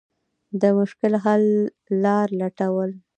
د مشکل د حل لارې لټول.